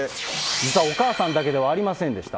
実はお母さんだけではありませんでした。